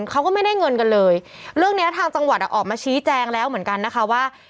เขาก็ไม่ได้เงินกันเลยเรื่องเนี้ยทางจังหวัดอ่ะออกมาชี้แจงแล้วเหมือนกันนะคะว่า